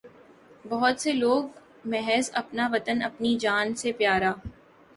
بہت سے لوگ محض اپنا وطن اپنی جان سے پیا را